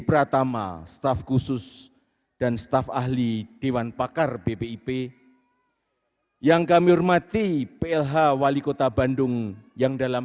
pratama staf khusus dan staf ahli dewan pakar bpip yang kami hormati plh wali kota bandung yang dalam